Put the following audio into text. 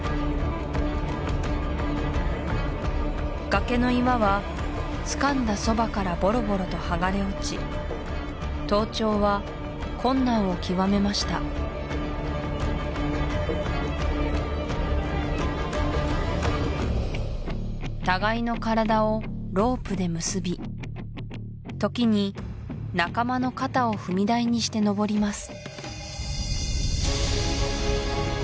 崖の岩はつかんだそばからボロボロと剥がれ落ち登頂は困難を極めました互いの体をロープで結び時に仲間の肩を踏み台にして登ります